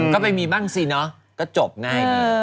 ก็ไปมีบ้างสิเนาะก็จบหน้าอีก